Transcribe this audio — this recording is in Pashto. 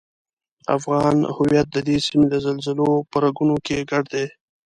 افغان هویت ددې سیمې د زلزلو په رګونو کې ګډ دی.